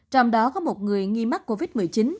trong đó có một người nghi mắc covid một mươi chín